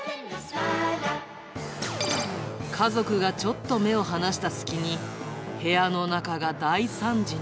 家族がちょっと目を離した隙に、部屋の中が大惨事に。